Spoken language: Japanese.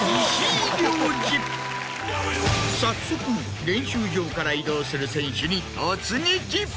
早速練習場から移動する選手に突撃。